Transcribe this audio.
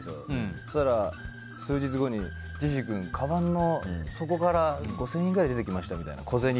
そしたら、数日後にジェシー君、かばんの底から５０００円ぐらい出てきましたって。